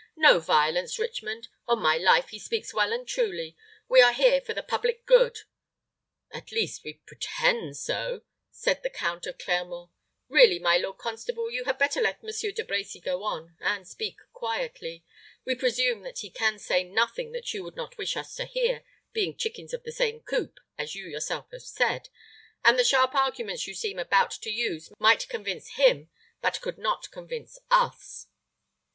"No violence, Richmond. On my life, he speaks well and truly. We are here for the public good " "At least we pretend so," said the Count of Clermont. "Really, my lord constable, you had better let Monsieur De Brecy go on, and speak quietly. We presume that he can say nothing that you would not wish us to hear, being chickens of the same coop, as you yourself have said; and the sharp arguments you seemed about to use might convince him, but could not convince us."